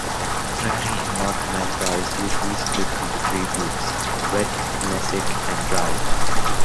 Prairie in North America is usually split into three groups: wet, mesic, and dry.